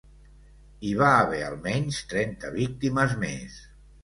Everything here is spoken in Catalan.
Hi va haver almenys trenta víctimes més.